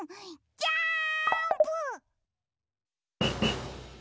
ジャンプ！！」。